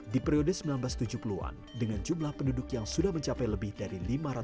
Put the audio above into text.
di periode seribu sembilan ratus tujuh puluh an dengan jumlah penduduk yang sudah mencapai lebih dari lima ratus